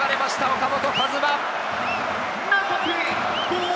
岡本和真！